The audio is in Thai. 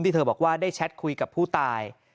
เธอบอกว่าได้แชทคุยกับผู้ตาย